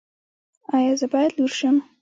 ایا زه باید لور شم؟